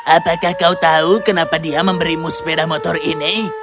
apakah kau tahu kenapa dia memberimu sepeda motor ini